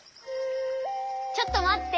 ちょっとまって！